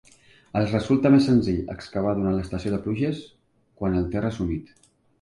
Els resulta més senzill excavar durant l'estació de pluges, quan el terra és humit.